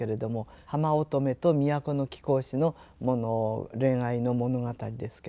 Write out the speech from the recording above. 浜乙女と都の貴公子の恋愛の物語ですけれども。